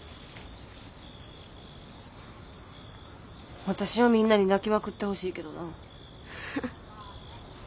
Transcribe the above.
私はみんなに泣きまくってほしいけどな。